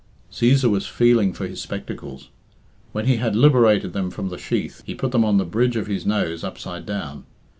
Cæsar was feeling for his spectacles. When he had liberated them from the sheath, he put them on the bridge of his nose upside down.